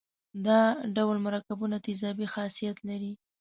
دا ډول مرکبونه تیزابي خاصیت لري.